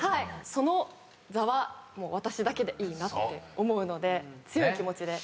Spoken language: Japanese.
その座は私だけでいいなって思うので強い気持ちで。